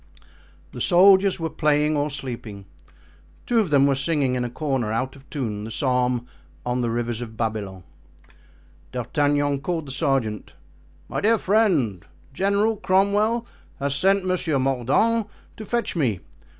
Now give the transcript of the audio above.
The soldiers were playing or sleeping; two of them were singing in a corner, out of tune, the psalm: "On the rivers of Babylon." D'Artagnan called the sergeant. "My dear friend, General Cromwell has sent Monsieur Mordaunt to fetch me.